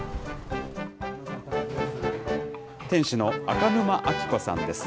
店主の赤沼秋子さんです。